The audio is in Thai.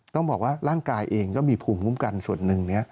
ต้องบอกว่าร่างกายเองก็มีภูมิคุ้มกันส่วนหนึ่ง